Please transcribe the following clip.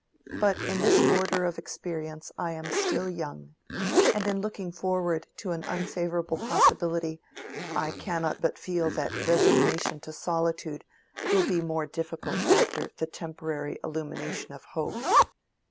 But in this order of experience I am still young, and in looking forward to an unfavorable possibility I cannot but feel that resignation to solitude will be more difficult after the temporary illumination of hope.